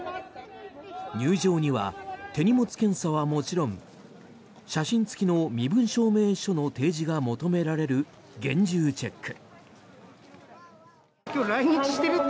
入場には手荷物検査はもちろん写真付きの身分証明書の提示が求められる厳重チェック。